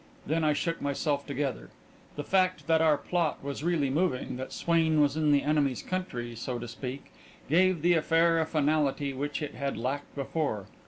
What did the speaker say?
Then I shook myself together. The fact that our plot was really moving, that Swain was in the enemy's country, so to speak, gave the affair a finality which it had lacked before.